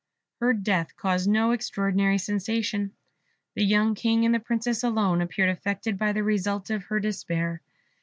Her death caused no extraordinary sensation. The young King and the Princess alone appeared affected by the result of her despair.